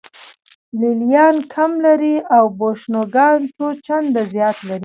لې لیان کم لري او بوشونګان څو چنده زیات لري